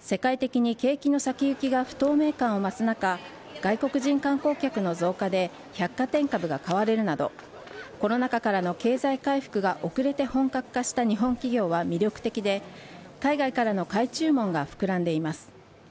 世界的に景気の先行きが不透明感を増す中外国人観光客の増加で百貨店株が買われるなどコロナ禍からの経済回復が遅れて本格化した日本企業は魅力的で海外からの買い注文が膨らんでいます。